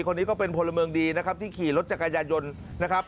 คนนี้ก็เป็นพลเมืองดีนะครับที่ขี่รถจักรยานยนต์นะครับ